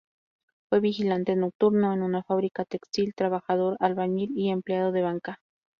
Fue vigilante nocturno en una fábrica textil, trabajador, albañil y empleado de banca.